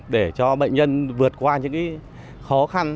để cho bệnh nhân vượt qua những khó khăn